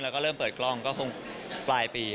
แล้วก็เริ่มเปิดกล้องก็คงปลายปี